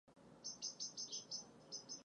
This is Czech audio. V demokracii slouží vláda lidem.